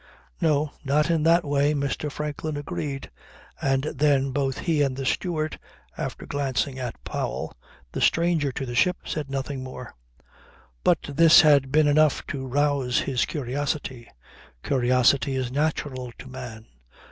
"No. Not in that way," Mr. Franklin agreed, and then both he and the steward, after glancing at Powell the stranger to the ship said nothing more. But this had been enough to rouse his curiosity. Curiosity is natural to man.